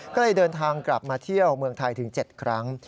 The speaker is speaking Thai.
ก็เลยเดินทางกลับมาเที่ยวเมืองไทยถึง๗ครั้ง